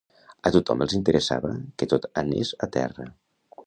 A tothom els interessava que tot anés a terra